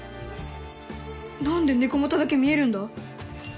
何で猫又だけ見えるんだ？